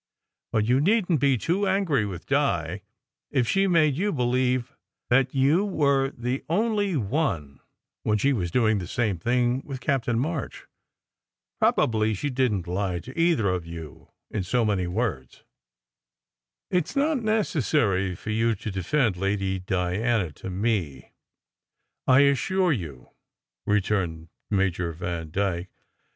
But you needn t be too angry with Di, if she made you believe that you were the only one, when she was doing the same thing with Captain March. Probably she didn t lie to either of you in so many words." " It s not necessary for you to defend Lady Diana to me, 104 SECRET HISTORY I assure you," returned Major Vandyke.